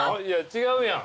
違うやん。